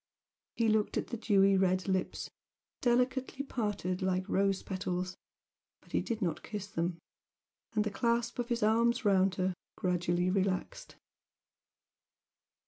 He looked at the dewy red lips, delicately parted like rose petals but he did not kiss them, and the clasp of his arms round her gradually relaxed.